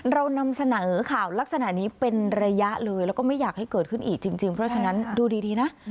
เรานำเสนอข่าวลักษณะนี้เป็นระยะเลยแล้วก็ไม่อยากให้เกิดขึ้นอีกจริงเพราะฉะนั้นดูดีนะ